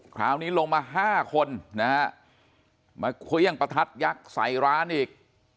คราวนี้ลงมา๕คนนะฮะมาเครื่องประทัดยักษ์ใส่ร้านอีก